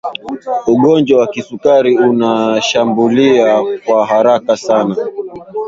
ugonjwa wa kisukari unashambulia kwa haraka sana